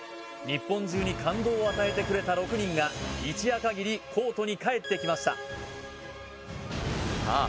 日本中に感動を与えてくれた６人が一夜限りコートに帰ってきましたさあ